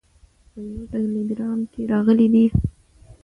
په یوه ټلګرام کې راغلي دي.